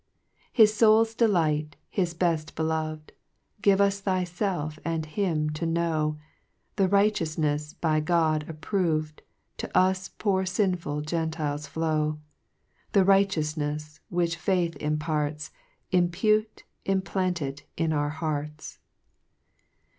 2 His foul's Delight, his bell Belov'd ; Give us thyfelf and him to Icrow, The righteoufnefs by God appro v'd, To us poor finful Gentiles fhow : The righteoufnefs which faith imparts, • Impute, implant it in our hearts.